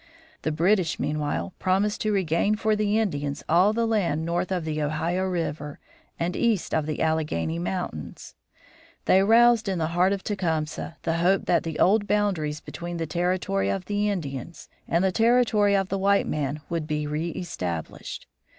The British, meanwhile, promised to regain for the Indians all the land north of the Ohio River and east of the Alleghany Mountains. They roused in the heart of Tecumseh the hope that the old boundaries between the territory of the Indians and the territory of the white man would be reëstablished.